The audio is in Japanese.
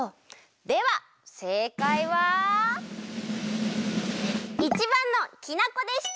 ではせいかいは①ばんのきな粉でした！